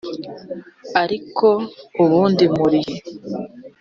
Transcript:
ariko ubundi murihe